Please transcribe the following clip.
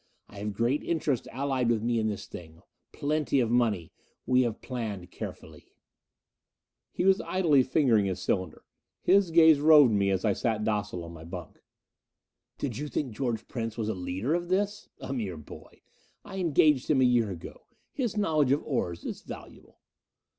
I have great interests allied with me in this thing. Plenty of money. We have planned carefully." He was idly fingering his cylinder; his gaze roved me as I sat docile on my bunk. "Did you think George Prince was a leader of this? A mere boy. I engaged him a year ago his knowledge of ores is valuable."